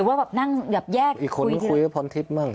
อีกคนคุยกับพ้อนทิพย์บ้าง